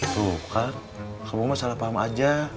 suka kamu mah salah paham aja